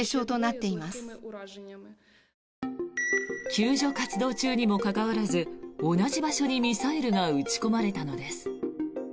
救助活動中にもかかわらず同じ場所にミサイルが撃ち込まれたのです。